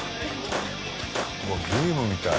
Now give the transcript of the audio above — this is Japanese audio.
うわっゲームみたい。